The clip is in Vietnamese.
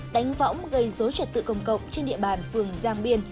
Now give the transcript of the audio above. đánh võng gây dối trật tự công cộng trên địa bàn phường giang biên